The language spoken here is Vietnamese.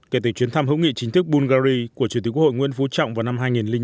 kể từ chuyến thăm hữu nghị chính thức bungary của chủ tịch quốc hội nguyễn phú trọng vào năm hai nghìn chín